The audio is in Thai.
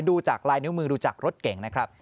ดูจากลายนิ้วมือดูจากรถเก่งนะครับ